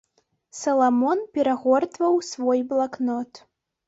Саламон перагортваў свой блакнот.